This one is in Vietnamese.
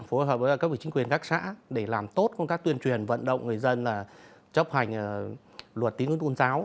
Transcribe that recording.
phối hợp với các vị chính quyền các xã để làm tốt công tác tuyên truyền vận động người dân là chấp hành luật tín ngưỡng tôn giáo